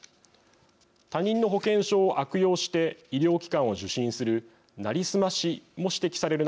他人の保険証を悪用して医療機関を受診する「成り済まし」も指摘される